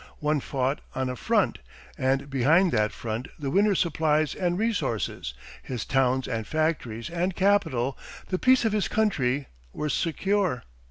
One fought on a "front," and behind that front the winner's supplies and resources, his towns and factories and capital, the peace of his country, were secure.